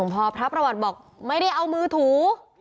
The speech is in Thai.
พอพระประวัติบอกไม่ได้เอามือถู